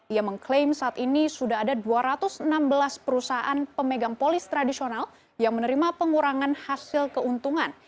ia mengklaim saat ini sudah ada dua ratus enam belas perusahaan pemegang polis tradisional yang menerima pengurangan hasil keuntungan